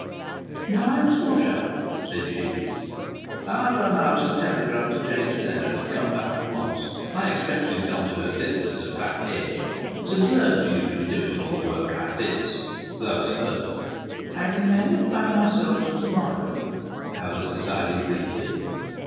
"Now I must wash up!" said she. "I'll run out and telegraph to Jane Sarah to come back at once. I expect she's gone to her sister's at Rat Edge. It's absurd for you to be doing all the work like this." Thus Herbert. "I can manage by myself till to morrow," Alice decided briefly.